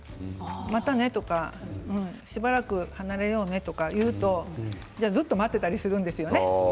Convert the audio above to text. またねとかしばらく離れようねと言うとずっと待っていたりするんです。